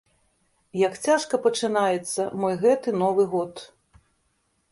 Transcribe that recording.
Як цяжка пачынаецца мой гэты новы год.